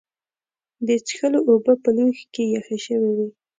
د څښلو اوبه په لوښي کې یخې شوې وې.